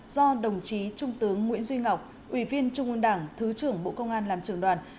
do đồng chí trung tướng nguyễn duy ngọc ủy viên trung ương đảng thứ trưởng bộ công an làm trường đoàn